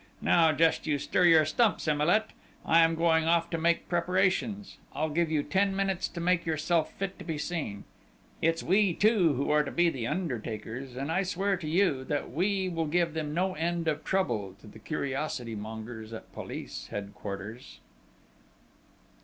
Now, just you stir your stumps, Emilet!... I am going off to make preparations!... I'll give you ten minutes to make yourself fit to be seen ... it's we two are to be the undertakers; and I swear to you, that we will give them no end of trouble to the curiosity mongers at Police Headquarters!"